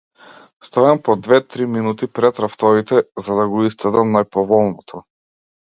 Стојам по две-три минути пред рафтовите, за да го исцедам најповолното.